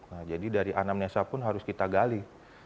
nah jadi dari anamnesa pun harus kita gali